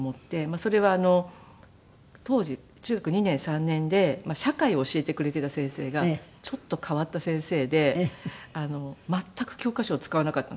それは当時中学２年３年で社会を教えてくれていた先生がちょっと変わった先生で全く教科書を使わなかったんですよ。